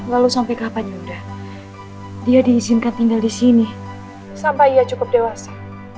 lalu sampai kapan yuda dia diizinkan tinggal di sini sampai ia cukup dewasa